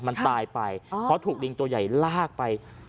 มันตายไปเพราะถูกลิงตัวใหญ่ลากไป